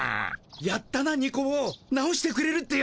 やったなニコ坊直してくれるってよ。